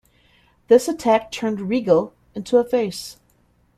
This attack turned Regal into a face.